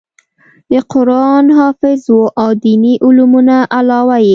د قران حافظ وو او د ديني علومو نه علاوه ئې